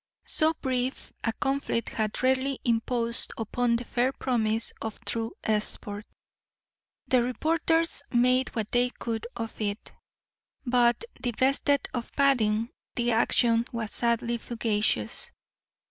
So brief a conflict had rarely imposed upon the fair promise of true sport. The reporters made what they could of it, but, divested of padding, the action was sadly fugacious.